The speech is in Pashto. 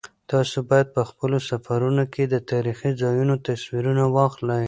تاسو باید په خپلو سفرونو کې د تاریخي ځایونو تصویرونه واخلئ.